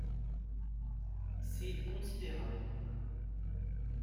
C’est considérable.